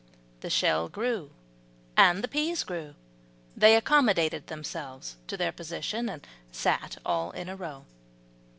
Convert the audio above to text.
The shell grew, and the peas grew, they accommodated themselves to their position, and sat all in a row.